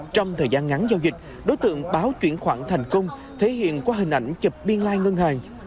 trong thời gian ngắn giao dịch đối tượng báo chuyển khoản thành công thể hiện qua hình ảnh chụp biên lai ngân hàng